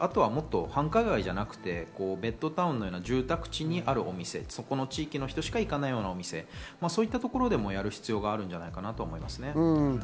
あとは繁華街じゃなくてベッドタウンのような住宅地にあるお店、その地域の人しか行かないお店でもやる必要があるんじゃないかなと思いますね。